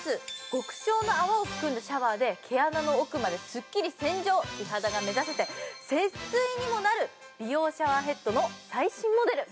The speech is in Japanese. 極小の泡を含むシャワーで毛穴の奥まですっきり洗浄、美肌が目指せて節水にもなる美容シャワーヘッドの最新モデル。